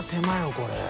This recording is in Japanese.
これ。